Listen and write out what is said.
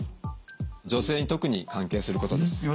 女性に特に関係することです。